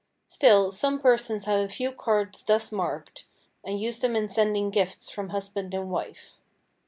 Still, some persons have a few cards thus marked and use them in sending gifts from husband and wife.